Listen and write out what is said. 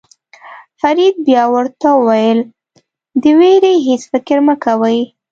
فرید بیا ورته وویل د وېرې هېڅ فکر مه کوئ.